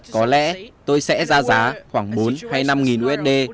có lẽ tôi sẽ ra giá khoảng bốn hay năm usd